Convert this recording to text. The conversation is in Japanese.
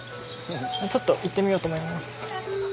ちょっと行ってみようと思います。